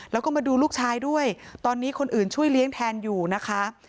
แล้วก็มาดูลูกชายด้วยตอนนี้คนอื่นช่วยเลี้ยงแทนอยู่นะคะ